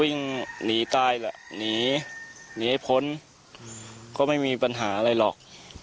ว่างก็วิ่งหนีหนีตายละหนีหนีให้พ้นก็ไม่มีปัญหาอะไรหรอก